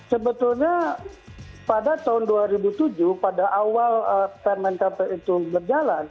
sebetulnya pada tahun dua ribu tujuh pada awal permen kp itu berjalan